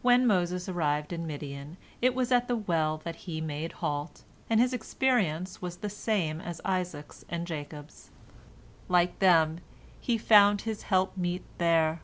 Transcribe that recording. When Moses arrived in Midian, it was at the well that he made halt, and his experience was the same as Isaac's and Jacob's. Like them he found his helpmeet there.